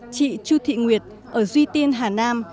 chị chu thị nguyệt ở duy tiên hà nam